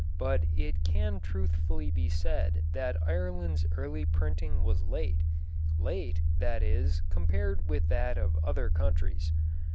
But it can truthfully be said that Ireland's early printing was late late, that is, compared with that of other countries.